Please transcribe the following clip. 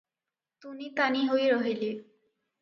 ତୁନି ତାନି ହୋଇ ରହିଲେ ।